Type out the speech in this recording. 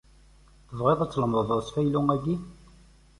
Tebɣiḍ ad tmedleḍ asfaylu-agi?